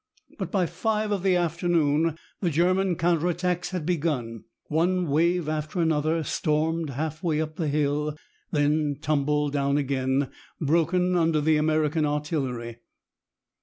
But by five of the afternoon the German counter attacks had begun. One wave after another stormed half way up the hill, then tumbled down again, broken under the American artillery.